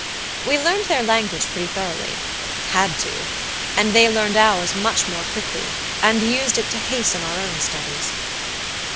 We learned their language pretty thoroughly had to; and they learned ours much more quickly and used it to hasten our own studies.